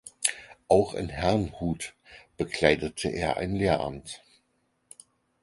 Auch in Herrnhut bekleidete er ein Lehramt.